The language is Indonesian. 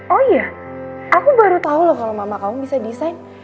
oh iya aku baru tahu loh kalau mama kamu bisa desain